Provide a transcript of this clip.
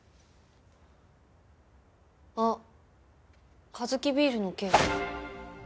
あっカヅキビールの件。